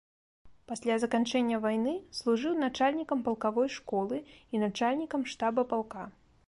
Пасля заканчэння вайны служыў начальнікам палкавой школы і начальнікам штаба палка.